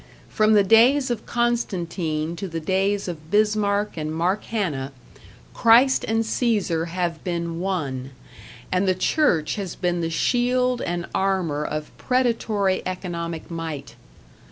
From the days of Constantine to the days of Bismarck and Mark Hanna, Christ and Caesar have been one, and the Church has been the shield and armor of predatory economic might.